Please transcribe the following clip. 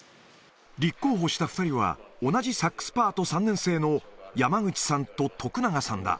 立候補した２人は、同じサックスパート３年生の山口さんと徳永さんだ。